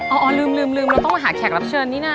อ๋อลืมเราต้องมาหาแขกรับเชิญนี่นะ